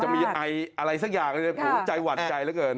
จะมีอะไรสักอย่างใจหวัดใจแล้วเกิน